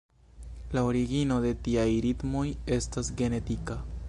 La origino de tiaj ritmoj estas genetika.